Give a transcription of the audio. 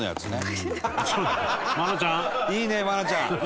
いいね、愛菜ちゃん。